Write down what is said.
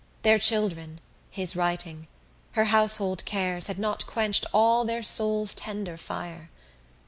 Their children, his writing, her household cares had not quenched all their souls' tender fire.